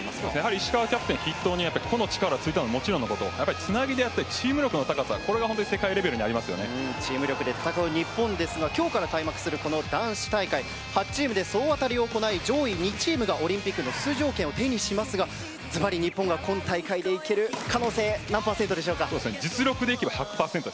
石川キャプテンを筆頭に個の力がついたのはもちろんつなぎであったりチーム力の高さがチーム力で戦う日本ですが今日から開幕する男子大会８チームで総当りを行い上位２チームがオリンピックの出場権を手にしますがつまり、日本はこの大会にいける可能性実力で行けば１００％。